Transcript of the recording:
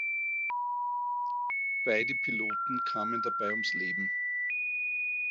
Beide Piloten kamen dabei ums Leben.